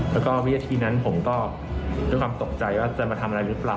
แล้วก็วินาทีนั้นผมก็ด้วยความตกใจว่าจะมาทำอะไรหรือเปล่า